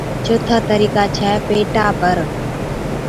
چوٿا طريقا ڇَي پيٽا پر